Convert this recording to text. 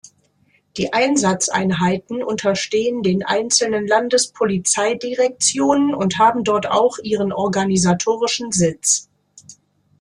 Die Einsatzeinheiten unterstehen den einzelnen Landespolizeidirektionen und haben dort auch ihren organisatorischen Sitz.